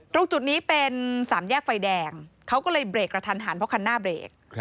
ตรงจุดนี้เป็นสามแยกไฟแดงเขาก็เลยเบรกกระทันหันเพราะคันหน้าเบรก